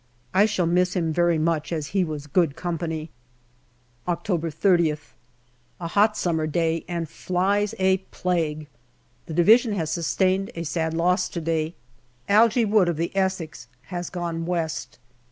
I shall miss him very much, as he was good company. October 30th. A hot summer day, and flies a plague. The Division has sustained a sad loss to day. Algy Wood, of the Essex, has gone West.